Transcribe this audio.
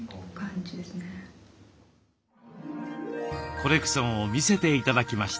コレクションを見せて頂きました。